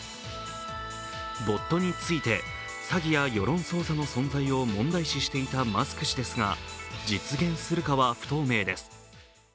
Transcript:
ボットについて、詐欺や世論操作の存在を問題視していたマスク氏ですが実現するかは不透明です。